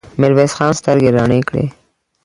ميرويس خان سترګې رڼې کړې.